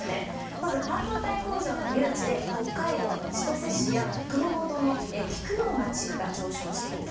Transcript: まず半導体工場の誘致で北海道の千歳市や熊本の菊陽町が上昇していると。